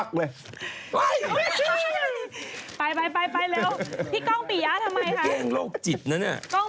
เกล้งโรคจิตนะเนี่ย